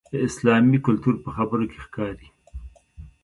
اسلامي کلتور په خبرو کې ښکاري.